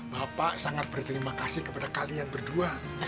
bapak sangat berterima kasih kepada kalian berdua